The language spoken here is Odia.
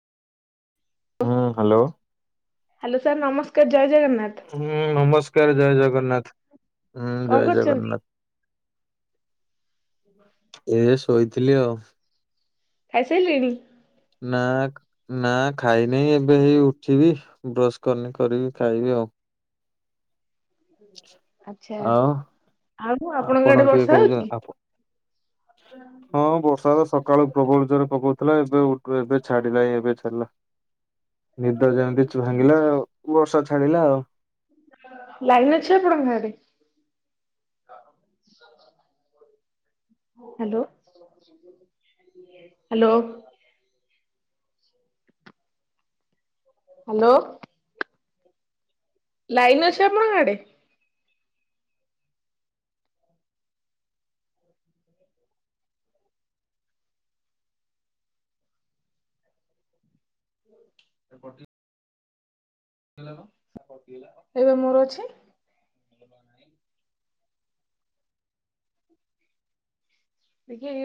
ହୁଁ ହ୍ୟାଲୋ। ହ୍ୟାଲୋ ସାର୍ ନମସ୍କାର ଜୟ ଜଗନ୍ନାଥ। ହୁଁ ନମସ୍କାର। ଜୟ ଜଗନ୍ନାଥ ହୁଁ କଣ ଜୟ କରୁଛନ୍ତି ଜଗନ୍ନାଥ। [unintelligible] ଏ ଶୋଇଥିଲି ଆଉ। ଖାଇସାରିଲେଣି? ନାଁ ଗ ନା ଖାଇନେଇ ଏବେ ହେଇ ଉଠିବି ବ୍ରଶ କରିନି କରିବି ଖାଇବି ଆଉ। ଆଚ୍ଛା। ଆଉ ଆଉ ଆପଣଙ୍କ ଆଡେ ଆପଣ କିଏ ବର୍ଷା କହୁଛ ହଉଛି ଆପ ହଁ ବର୍ଷା ତ ସକାଳୁ ପ୍ରବଳ ଜୋରେ ପକଉଥିଲା ଏବେ ଉ ଏବେ ଛାଡିଲା ଏବେ ଛାଡ଼ିଲା ନିଦ ଯେମିତି ଚ ଭାଙ୍ଗିଲା ବର୍ଷା ଛାଡିଲା ଆଉ। ଲାଇନ ଅଛି ଆପଣଙ୍କ ଗାଁରେ? Hello hello. ହ୍ୟାଲୋ। ଲାଇନ ଅଛି ଆପଣଙ୍କ ଆଡେ? [inaudible] ଥିଲା ପା କଟିଗଲା, ହେଇ ପା ମୋର ଅଛି। [inaudible] ଦେଖିଆ କେ